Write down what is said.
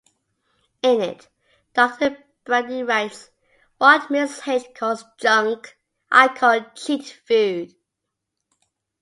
In it, Doctor Brady writes, What Mrs. H calls 'junk' I call cheat food.